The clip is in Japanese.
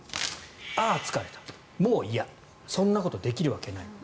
あー疲れた、もう嫌そんなことできるわけない。